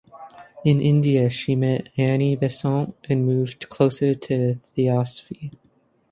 In India she met Annie Besant and she moved closer to Theosophy.